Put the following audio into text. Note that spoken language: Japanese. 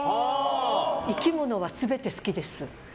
生き物はすべて好きです。